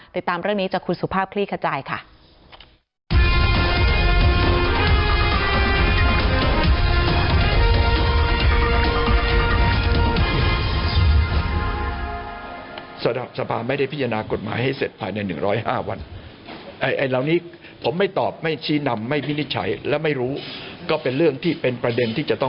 ติดตามเรื่องนี้จากคุณสุภาพคลี่ขจายค่ะ